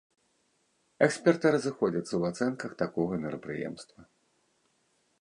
Эксперты разыходзяцца ў ацэнках такога мерапрыемства.